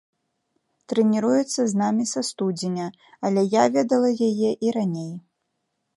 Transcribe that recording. Трэніруецца з намі са студзеня, але я ведала яе і раней.